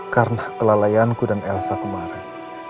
karena kelalaian ku dan elsa kemarin